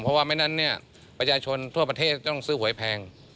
เพราะว่าไม่นั้นเนี่ยประชาชนทั่วประเทศจะต้องซื้อหวยแพง